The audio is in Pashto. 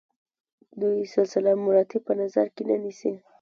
دوی سلسله مراتب په نظر کې نه نیسي.